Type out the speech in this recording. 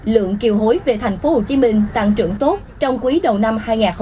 lượng kiều hối về tp hcm tăng trưởng tốt trong quý đầu năm hai nghìn hai mươi bốn